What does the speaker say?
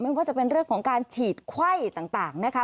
ไม่ว่าจะเป็นเรื่องของการฉีดไข้ต่างนะคะ